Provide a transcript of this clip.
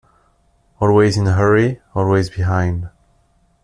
Always in a hurry, always behind.